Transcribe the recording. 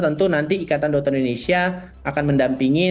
tentu nanti ikatan dokter indonesia akan mendampingi